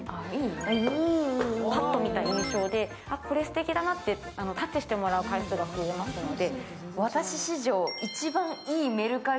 パッと見た印象で、これすてきだなってタッチしてもらう回数がアップするので。